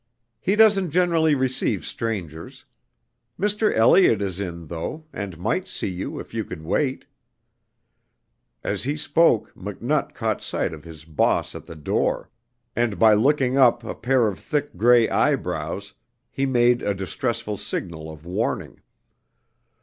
"He doesn't generally receive strangers. Mr. Elliot is in, though, and might see you if you could wait " As he spoke, McNutt caught sight of his "boss" at the door, and by looking up a pair of thick gray eyebrows, he made a distressful signal of warning.